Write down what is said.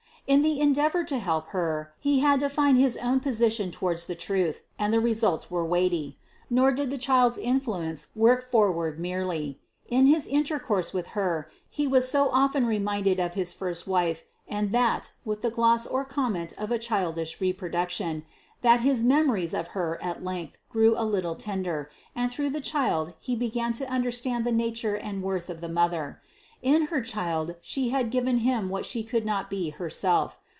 In the endeavour to help her, he had to find his own position towards the truth; and the results were weighty. Nor did the child's influence work forward merely. In his intercourse with her he was so often reminded of his first wife, and that, with the gloss or comment of a childish reproduction, that his memories of her at length grew a little tender, and through the child he began to understand the nature and worth of the mother. In her child she had given him what she could not be herself.